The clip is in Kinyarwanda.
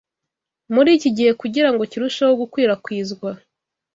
Muri iki gihe, kugira ngo kirusheho gukwirakwizwa